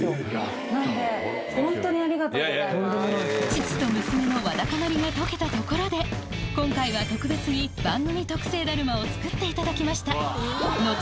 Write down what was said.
父と娘のわだかまりが解けたところで今回は特別にを作っていただきました最後は